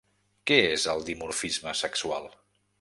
Què és el dimorfisme sexual?